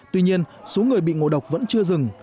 tuy nhiên số người bị ngộ độc vẫn chưa dừng